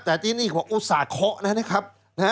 แต่ทีนี้ผมอุตส่าห์เคาะนะครับ